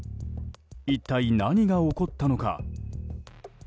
一体何が起こったのか？